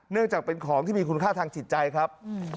เนื่องจากเป็นของที่มีคุณค่าทางจิตใจครับ